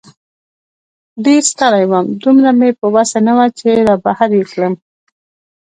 ډېر ستړی وم، دومره مې په وسه نه وه چې را بهر یې کړم.